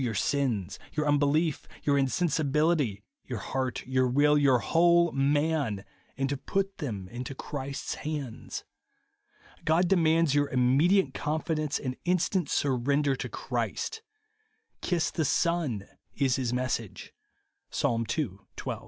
your sins, your unbelief, your insensibility, your heart, your will, your whole man, and to put them into Christ's hands. God de mands your immediate confidence and in stant surrender to Christ. " Kiss the Son " is his message, (Psa. ii. 12).